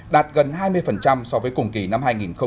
đạt gần hai mươi so với cùng kỳ năm hai nghìn một mươi chín